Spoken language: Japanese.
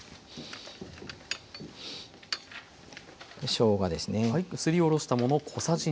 しょうがですね。